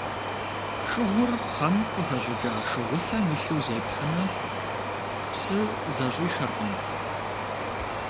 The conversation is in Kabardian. Шыгъур пхъэм къыхэщӀыкӀа шыгъулъэм илъу зепхьэмэ, псы зыщӀишэркъым.